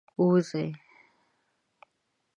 ووځی.